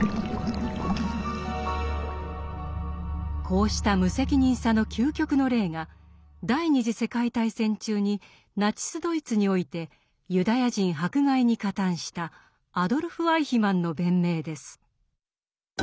こうした無責任さの究極の例が第二次世界大戦中にナチスドイツにおいてユダヤ人迫害に加担したアドルフ・アイヒマンの弁明です。